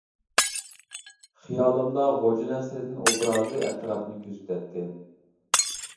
خىيالىمدا خوجا نەسىردىن ئوبرازى ئەتراپنى كۆزىتەتتى.